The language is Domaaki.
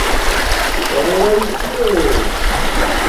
کبݺ رݵ چھݳئݺ؟